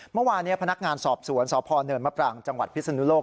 เมื่อวานนี้พนักงานสอบสวนสพเนินมะปรางจังหวัดพิศนุโลก